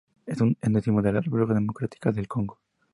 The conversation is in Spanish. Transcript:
Es un endemismo de la República Democrática del Congo.